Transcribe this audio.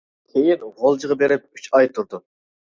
كېيىن غۇلجىغا بېرىپ ئۈچ ئاي تۇردۇم.